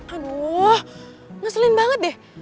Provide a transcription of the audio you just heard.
aduh ngeselin banget deh